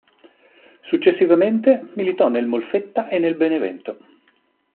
Successivamente militò nel Molfetta e nel Benevento.